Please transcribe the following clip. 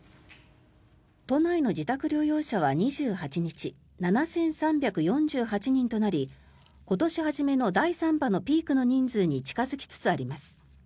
都内の自宅療養者は２８日７３４８人となり今年初めの第３波のピークの人数に近付きつつあります。